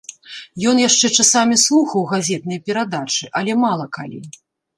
Ён яшчэ часамі слухаў газетныя перадачы, але мала калі.